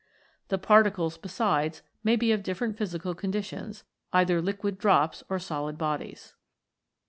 The particles, besides, may be of different physical conditions, either liquid drops or solid bodies.